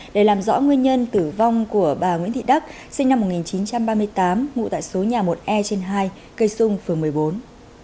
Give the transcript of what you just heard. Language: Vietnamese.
để làm rõ nguyên nhân tử vong của bà nguyễn thị đắc sinh năm một nghìn chín trăm ba mươi tám ngụ tại số nhà một e trên hai cây xung phường một mươi bốn